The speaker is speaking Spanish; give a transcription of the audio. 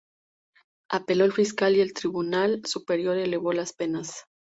Apeló el fiscal y el Tribunal superior elevó las penas.